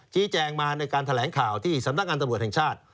ชี้แจงมาในการแถลงข่าวที่สำนักงานตำรวจแห่งชาติ